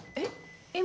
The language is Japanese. えっ？